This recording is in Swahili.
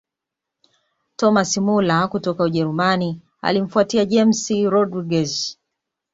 thomas muller kutoka ujerumani alimfuatia james rodriguez